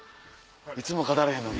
いつも勝たれへんのに。